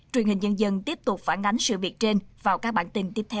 truyền hình nhân dân tiếp tục phản ánh sự việc trên vào các bản tin tiếp theo